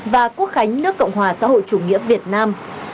và quốc khánh nước cộng hòa xã hội chủ nghĩa việt nam